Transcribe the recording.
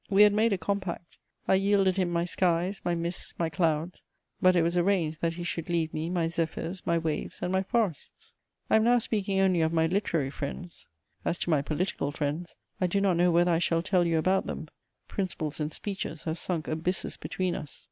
We had made a compact: I yielded him my skies, my mists, my clouds; but it was arranged that he should leave me my zephyrs, my waves, and my forests. I am now speaking only of my literary friends; as to my political friends, I do not know whether I shall tell you about them: principles and speeches have sunk abysses between us!